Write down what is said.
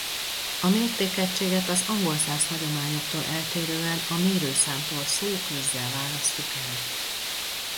A mértékegységet az angolszász hagyományoktól eltérően a mérőszámtól szóközzel választjuk el.